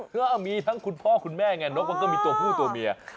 ก็มีทั้งคุณพ่อคุณแม่ไงนกมันก็มีตัวผู้ตัวเมีย